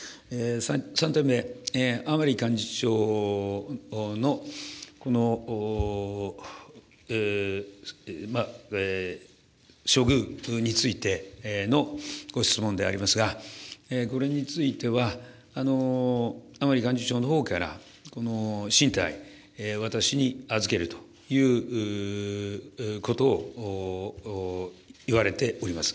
３点目、甘利幹事長の、処遇についてのご質問でありますが、これについては、甘利幹事長のほうから、進退、私に預けるということを言われております。